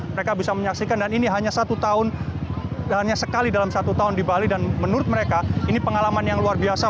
mereka bisa menyaksikan dan ini hanya satu tahun hanya sekali dalam satu tahun di bali dan menurut mereka ini pengalaman yang luar biasa